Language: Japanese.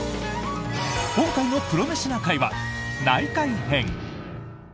今回の「プロメシな会」は内科医編。